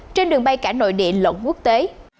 trên đường bay cả nội địa lộn quốc tế